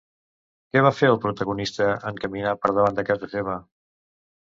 Què va fer el protagonista en caminar per davant de casa seva?